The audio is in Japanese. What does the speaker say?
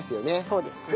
そうですね。